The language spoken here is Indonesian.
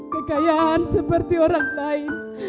kekayaan seperti orang lain